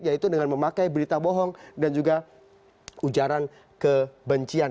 yaitu dengan memakai berita bohong dan juga ujaran kebencian